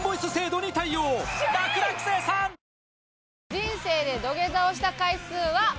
人生で土下座をした回数は。